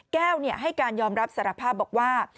แก้วให้การยอมรับสารภาพบอกว่า